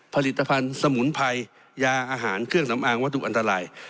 ผลิตภัณฑ์สมุนไพรยาอาหารเครื่องสำอางวัตถุอันตราย